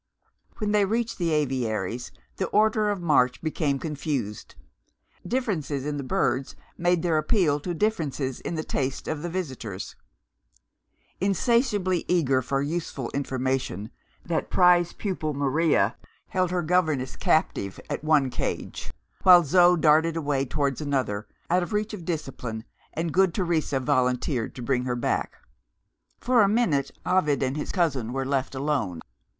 When they reached the aviaries the order of march became confused; differences in the birds made their appeal to differences in the taste of the visitors. Insatiably eager for useful information, that prize pupil Maria held her governess captive at one cage; while Zo darted away towards another, out of reach of discipline, and good Teresa volunteered to bring her back. For a minute, Ovid and his cousin were left alone.